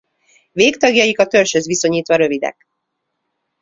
Végtagjaik a törzshöz viszonyítva rövidek.